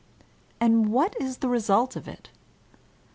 And what is the result of it